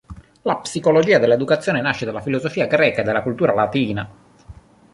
La Psicologia dell'educazione nasce dalla filosofia greca e dalla cultura latina.